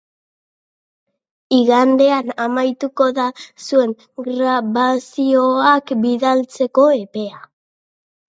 Igandean amaituko da zuen grabazioak bidaltzeko epea!